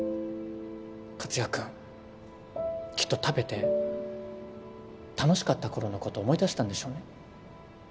克哉君きっと食べて楽しかった頃のことを思い出したんでしょうね。